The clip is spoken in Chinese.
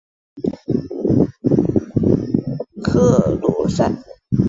克罗塞。